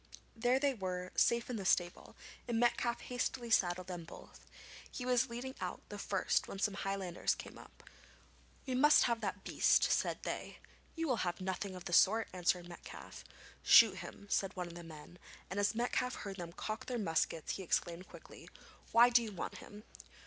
There they were, safe in the stable, and Metcalfe hastily saddled them both. He was leading out the first when some Highlanders came up. 'We must have that beast,' said they. 'You will have nothing of the sort,' answered Metcalfe. 'Shoot him,' said one of the men, and as Metcalfe heard them cock their muskets he exclaimed quickly: 'Why do you want him?'